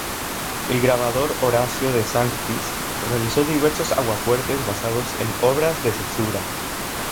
El grabador Orazio de Sanctis realizó diversos aguafuertes basados en obras de Cesura.